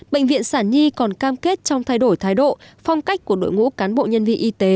bệnh viện sản nhi còn cam kết trong thay đổi thái độ phong cách của đội ngũ cán bộ nhân viên y tế